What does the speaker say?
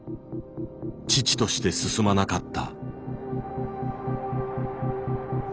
遅々として進まなかった。